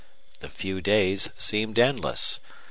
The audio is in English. The few days seemed endless.